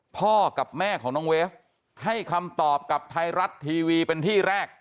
พ่อกับแม่ของน้องเวฟให้คำตอบกับไทยรัฐทีวีเป็นที่แรก